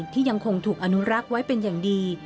ที่ยังคงถูกอนุรักษ์ไว้เป็นอย่างดี